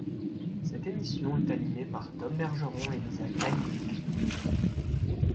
Cette émission est animée par Tom Bergeron et Lisa Canning.